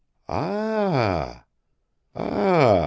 Ah! Ah!